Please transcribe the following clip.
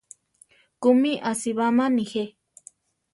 ¿Kúmi asibáma nejé?